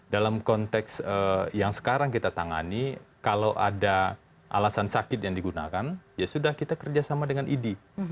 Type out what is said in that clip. dalam konteks yang sekarang kita tangani kalau ada alasan sakit yang digunakan ya sudah kita kerjasama dengan idi